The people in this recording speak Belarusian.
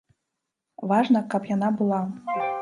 Важна, каб яна была.